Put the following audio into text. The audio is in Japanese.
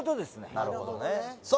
なるほどねさあ